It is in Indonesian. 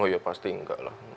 oh ya pasti enggak lah